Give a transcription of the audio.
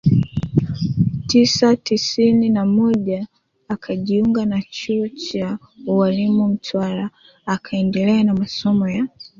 tisa tisini na moja akajiunga na chuo cha ualimu Mtwara akaendelea na masomo ya